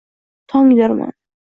Tongdirman